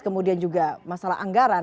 kemudian juga masalah anggaran